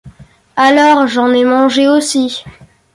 Alors j’en ai mangé aussi.